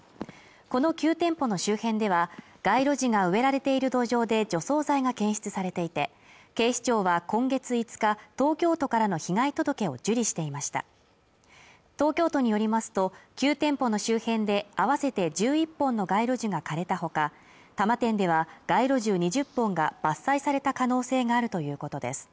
この９店舗の周辺では街路樹が植えられている土壌で除草剤が検出されていて警視庁は今月５日東京都からの被害届を受理していました東京都によりますと９店舗の周辺で合わせて１１本の街路樹が枯れたほか多摩店では街路樹２０本が伐採された可能性があるということです